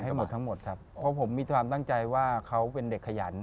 หมดทั้งหมดครับเพราะผมมีความตั้งใจว่าเขาเป็นเด็กขยัน